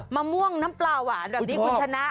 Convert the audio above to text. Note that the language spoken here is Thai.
มม่วงน้ำปลาหวานคุณชนะ